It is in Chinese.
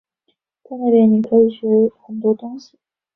在那边你可以学很多东西